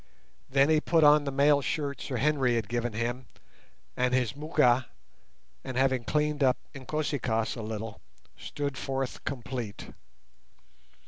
Then he put on the mail shirt Sir Henry had given him and his "moocha", and, having cleaned up Inkosi kaas a little, stood forth complete.